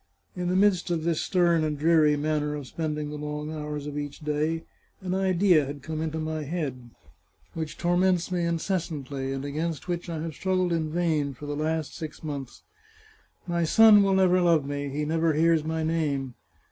In the midst of this stern and dreary manner of spending the long hours of each day, an idea had come into my head, which torments me incessantly, and against which I have struggled in vain for the last six months. My son will never love me ; he never hears my name.